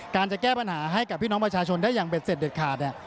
จะแก้ปัญหาให้กับพี่น้องประชาชนได้อย่างเด็ดเสร็จเด็ดขาดเนี่ย